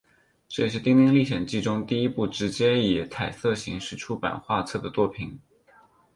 这也是丁丁历险记中第一部直接以彩色形式出版画册的作品。